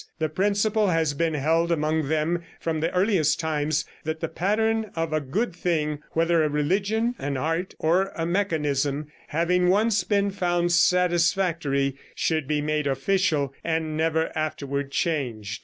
The principle has been held among them from the earliest times that the pattern of a good thing, whether a religion, an art or a mechanism, having once been found satisfactory, should be made official and never afterward changed.